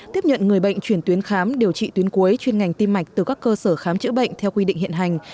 tiếp nhận người bệnh chuyển tuyến khám điều trị tuyến cuối chuyên ngành tim mạch từ các cơ sở khám chữa bệnh theo quy định hiện hành